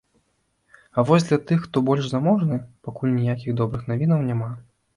А вось для тых, хто больш заможны, пакуль ніякіх добрых навінаў няма.